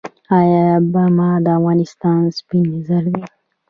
آیا پنبه د افغانستان سپین زر دي؟